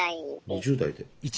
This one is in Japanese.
２０代で。